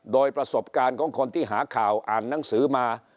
โดยประสบการณ์ของคนที่หาข่าวอ่านหนังสือมา